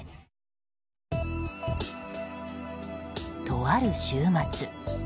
とある週末。